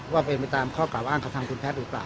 ว่าเป็นไปตามข้อกล่าอ้างของทางคุณแพทย์หรือเปล่า